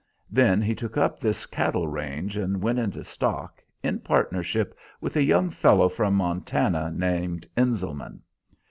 Then he took up this cattle range and went into stock, in partnership with a young fellow from Montana, named Enselman.